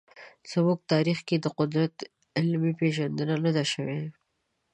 زموږ تاریخ کې د قدرت علمي پېژندنه نه ده شوې.